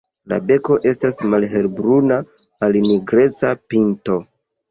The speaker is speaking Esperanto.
La beko estas malhelbruna al nigreca pinto.